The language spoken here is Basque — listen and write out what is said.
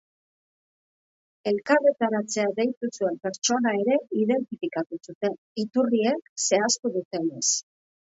Elkarretaratzea deitu zuen pertsona ere identifikatu zuten, iturriek zehaztu dutenez.